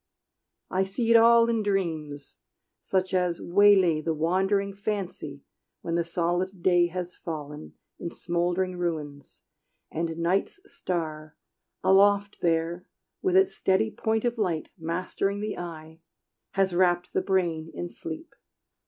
I see it all in dreams, such as waylay The wandering fancy when the solid day Has fallen in smoldering ruins, and night's star, Aloft there, with its steady point of light Mastering the eye, has wrapped the brain in sleep.